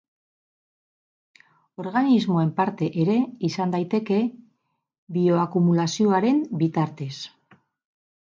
Organismoen parte ere izan daiteke, bioakumulazioaren bitartez.